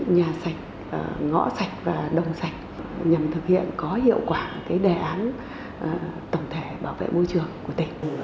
nhà sạch ngõ sạch và đông sạch nhằm thực hiện có hiệu quả đề án tổng thể bảo vệ môi trường của tỉnh